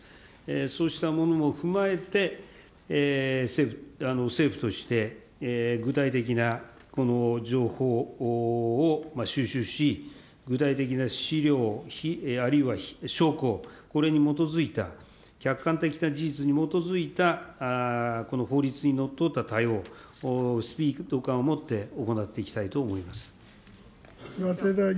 そうしたものも踏まえて、政府として具体的な情報を収集し、具体的な資料、あるいは証拠、これに基づいた客観的な事実に基づいた法律にのっとった対応、スピード感を持って行っていきたいと思います。